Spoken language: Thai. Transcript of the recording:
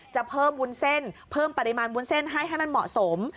จะเพิ่มวุ้นเส้นเพิ่มปริมาณวุ้นเส้นให้ให้มันเหมาะสม